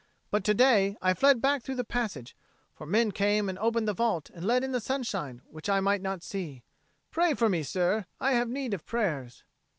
But to day I fled back through the passage, for men came and opened the vault and let in the sunshine, which I might not see. Pray for me, sir; I have need of prayers."